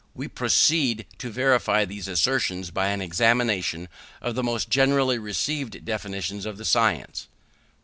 We proceed to verify these assertions by an examination of the most generally received definitions of the science.